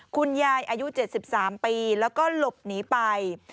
คุณยายอายุ๗๓ปีแล้วก็หลบหนีไป